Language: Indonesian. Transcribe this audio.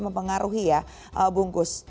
mempengaruhi ya bukus